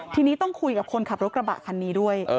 ทีนี้ต้องคุยกับคนขับรถกระบะคันนี้ด้วย